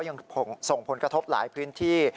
ยังส่งผลกระทบหลายพื้นที่